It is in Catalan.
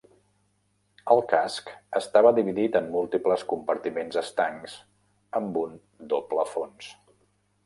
El casc estava dividit en múltiples compartiments estancs, amb un doble fons.